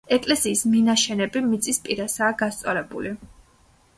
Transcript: ეკლესიის მინაშენები მიწის პირასაა გასწორებული.